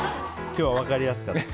今日は分かりやすかった。